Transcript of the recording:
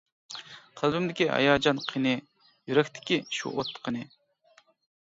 قەلبىمدىكى ھاياجان قېنى، يۈرەكتىكى شۇ ئوت قېنى.